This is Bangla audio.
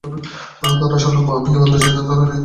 তার আসল নাম আমি বলতে চাই না, ধরে নিই তার নাম এলেন।